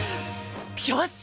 よし！